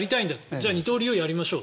じゃあ二刀流をやりましょう。